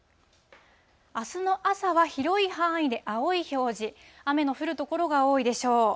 あすの朝は広い範囲で青い表示、雨の降る所が多いでしょう。